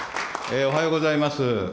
おはようございます。